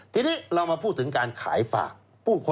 ทีนี้เรามาพูดถึงการขายฝาก